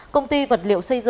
công ty vật liệu xây dựng